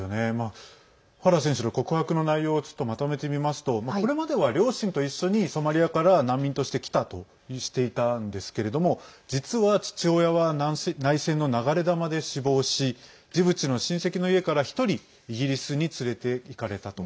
ファラー選手の告白の内容をまとめてみますとこれまでは両親と一緒にソマリアから難民として来たとしていたんですけれども実は父親は内戦の流れ弾で死亡しジブチの親戚の家から１人イギリスに連れて行かれたと。